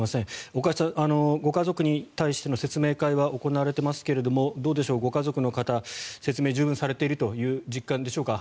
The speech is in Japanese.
岡安さんご家族に対しての説明会は行われていますけれどもどうでしょう、ご家族の方説明、十分されているという実感でしょうか。